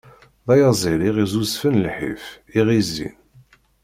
D ayaẓil i ɣ-izzuzfen lḥif, i ɣ-izzin.